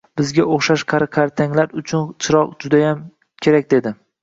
Bizga o`xshash qari-qartanglar uchun chirog` judayam kerak, dedi